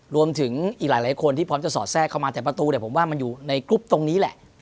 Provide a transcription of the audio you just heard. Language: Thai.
รวมถึงอีกหลายคนที่พร้อมจะสอดแทรกเข้ามาแต่ประตูเนี่ยผมว่ามันอยู่ในกรุ๊ปตรงนี้แหละ